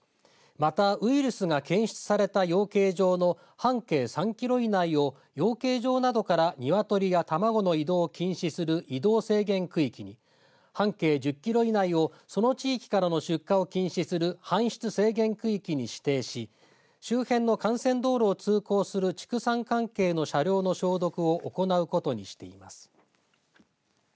また、ウイルスが検出された養鶏場の半径３キロ以内を養鶏場などからニワトリや卵の移動を禁止する移動制限区域に半径１０キロ以内をその地域からの出荷を禁止する搬出制限区域に指定し周辺の幹線道路を通行する畜産関係の車両の消毒を行うことにしています。